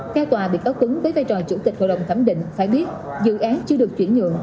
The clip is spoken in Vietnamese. theo tòa bị cáo ứng với vai trò chủ tịch hội đồng thẩm định phải biết dự án chưa được chuyển nhượng